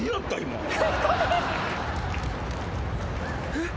えっ？